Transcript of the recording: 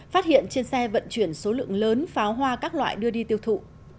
phát hiện trên xe vận chuyển số lượng lớn pháo hoa các loại đưa đi tiêu thụ